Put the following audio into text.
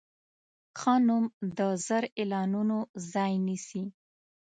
ښه نوم د زر اعلانونو ځای نیسي.